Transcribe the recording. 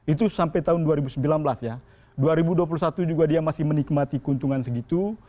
itu sampai tahun dua ribu sembilan belas ya dua ribu dua puluh satu juga dia masih menikmati keuntungan segitu